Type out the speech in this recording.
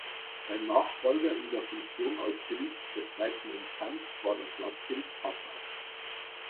Sein Nachfolger in der Funktion als Gericht der zweiten Instanz war das Landgericht Passau.